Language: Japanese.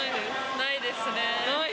ないですねぇ。